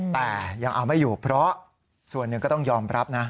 แต่ยังเอาไม่อยู่เพราะส่วนหนึ่งก็ต้องยอมรับนะ